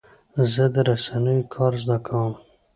زه د رسنیو کار زده کوم.